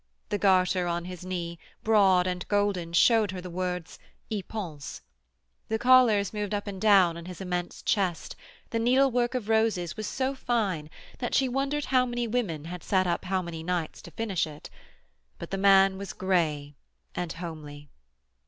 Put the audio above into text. The garter on his knee, broad and golden, showed her the words: 'Y pense'; the collars moved up and down on his immense chest, the needlework of roses was so fine that she wondered how many women had sat up how many nights to finish it: but the man was grey and homely.